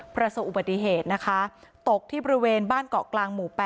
ประสบอุบัติเหตุนะคะตกที่บริเวณบ้านเกาะกลางหมู่๘